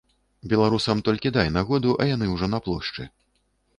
Беларусам толькі дай нагоду, а яны ўжо на плошчы.